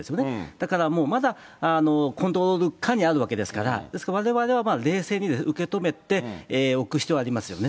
だからもう、まだコントロール下にあるわけですから、ですからわれわれは冷静に受け止めておく必要はありますよね。